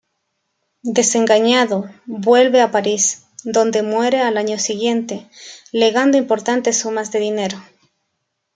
Desengañado, vuelve a París, donde muere al año siguiente, legando importantes sumas de dinero.